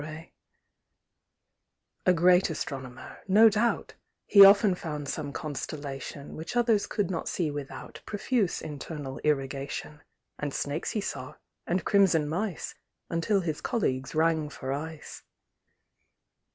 A great Astronomer, no doubt, He often found some Constellation Which others could not see without Profuse internal irrigation; And snakes he saw, and crimson mice, Until his colleagues rang for ice.